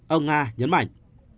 ông nga nhấn mạnh